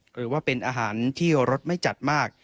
หรือว่าเป็นอาหารที่รสไม่จัดมาก